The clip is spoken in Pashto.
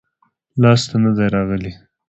لاس ته نه دي راغلي-